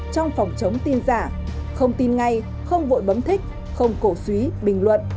trong phòng chống tin giả không tin ngay không vội bấm thích không cổ suý bình luận